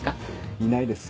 いないです。